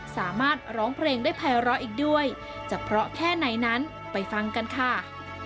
ร้องเพลงได้ภัยร้ออีกด้วยจะเพราะแค่ไหนนั้นไปฟังกันค่ะ